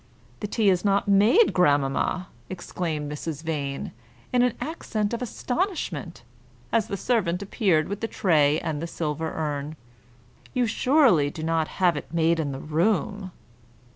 "The tea is not made, grandmamma!" exclaimed Mrs. Vane, in an accent of astonishment, as the servant appeared with the tray and the silver urn. "You surely do not have it made in the room."